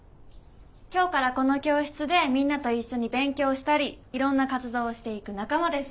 今日からこの教室でみんなと一緒に勉強したりいろんな活動をしていく仲間です。